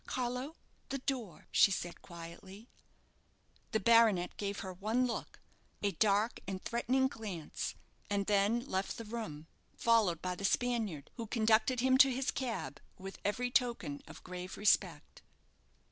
"Carlo, the door," she said, quietly. The baronet gave her one look a dark and threatening glance and then left the room, followed by the Spaniard, who conducted him to his cab with every token of grave respect.